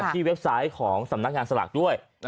เว็บไซต์ของสำนักงานสลากด้วย